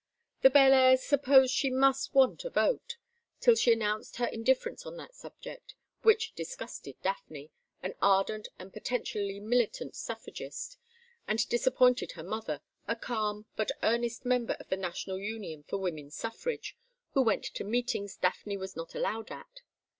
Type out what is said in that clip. The Bellairs' supposed she must Want a Vote, till she announced her indifference on that subject, which disgusted Daphne, an ardent and potentially militant suffragist, and disappointed her mother, a calm but earnest member of the National Union for Women's Suffrage, who went to meetings Daphne was not allowed at.